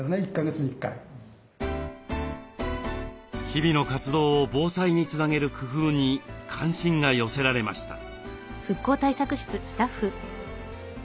日々の活動を防災につなげる工夫に関心が寄せられました。